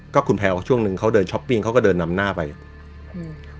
ก็คุณแพลวช่วงหนึ่งเขาเดินช้อปปิ้งเขาก็เดินนำหน้าไปอืม